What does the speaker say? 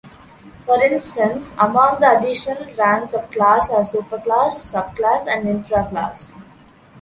For instance, among the additional ranks of class are superclass, subclass and infraclass.